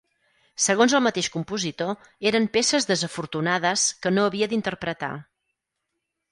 Segons el mateix compositor, eren peces desafortunades que no havia d'interpretar.